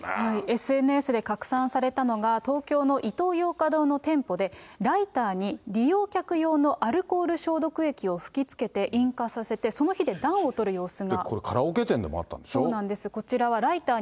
ＳＮＳで拡散されたのが、東京のイトーヨーカドーの店舗で、ライターに利用客用のアルコール消毒液を吹きつけて、引火させて、その火で暖をとる様子が。